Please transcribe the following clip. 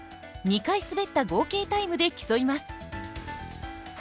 ２回滑った合計タイムで競います。